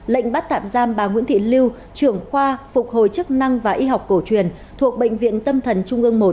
lệnh bắt tạm giam bà nguyễn thị lưu trưởng khoa phục hồi chức năng và y học cổ truyền thuộc bệnh viện tâm thần trung ương một